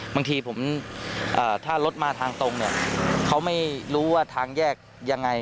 บางทีผมถ้ารถมาทางตรงเนี่ยเขาไม่รู้ว่าทางแยกยังไง